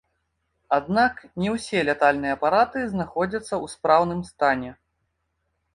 Аднак не ўсе лятальныя апараты знаходзяцца ў спраўным стане.